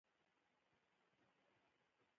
د خرڅ زیاتوالی د ښه خدمت نتیجه ده.